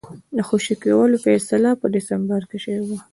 د خوشي کولو فیصله په ډسمبر کې شوې وه.